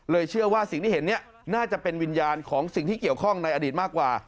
เชื่อว่าสิ่งที่เห็นเนี่ยน่าจะเป็นวิญญาณของสิ่งที่เกี่ยวข้องในอดีตมากกว่า